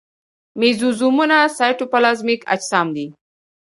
مېزوزومونه سایتوپلازمیک اجسام دي.